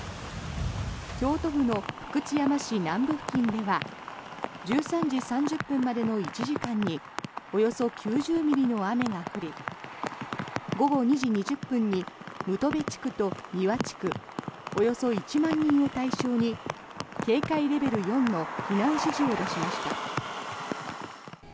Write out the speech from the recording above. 京都府の福知山市南部付近では１３時３０分までの１時間におよそ９０ミリの雨が降り午後２時２０分に六人部地区と三和地区およそ１万人を対象に警戒レベル４の避難指示を出しました。